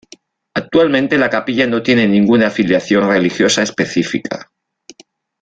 Actualmente, la capilla no tiene ninguna afiliación religiosa específica.